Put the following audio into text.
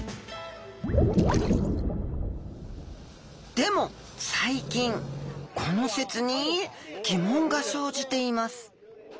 でも最近この説に疑問が生じています。